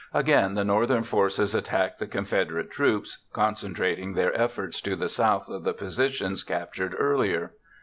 Again the Northern forces attacked the Confederate troops, concentrating their efforts to the south of the positions captured earlier.